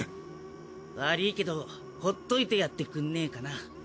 わりいけどほっといてやってくんねえかな。